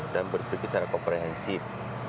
dan berpikir secara komprehensif